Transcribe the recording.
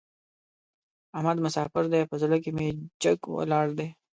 احمد مساپر دی؛ په زړه کې مې جګ ولاړ دی.